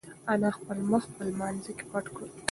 انا خپل مخ په لمانځه کې پټ کړ.